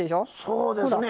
そうですね。